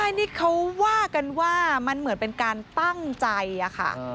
ใช่นี่เขาว่ากันว่ามันเหมือนเป็นการตั้งใจอะค่ะ